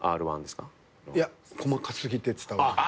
いや細かすぎて伝わらない。